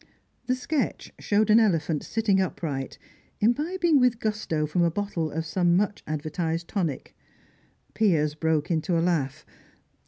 The sketch showed an elephant sitting upright, imbibing with gusto from a bottle of some much advertised tonic. Piers broke into a laugh.